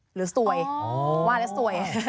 หรือสวยว่าแล้วสวย